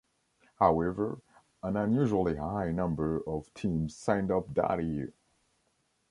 However, an unusually high number of teams signed up that year.